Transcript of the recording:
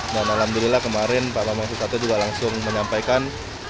dan alhamdulillah kemarin pak bambang susatyo juga langsung menyampaikan